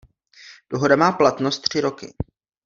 Dohoda má platnost tři roky.